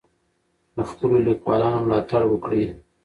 د خپلو لیکوالانو ملاتړ وکړئ.